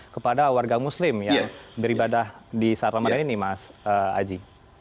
kepada warga muslim yang beribadah di saat ramadhan ini mas aji